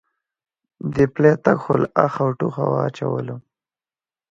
دې پلی تګ خو له آخه او ټوخه واچولم.